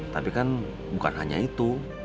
tapi kan bukan hanya itu